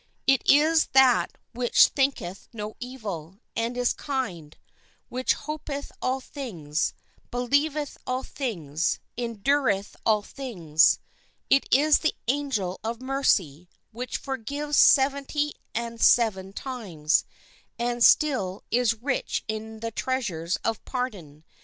It is that which thinketh no evil, and is kind, which hopeth all things, believeth all things, endureth all things. It is the angel of mercy, which forgives seventy and seven times, and still is rich in the treasures of pardon.